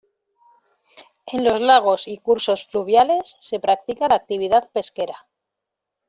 En los lagos y cursos fluviales se practica la actividad pesquera.